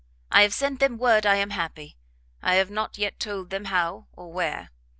I have sent them word I am happy; I have not yet told them how or where.